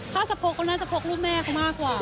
ถ้าจะพกเขาน่าจะพกรูปแม่เขามากกว่า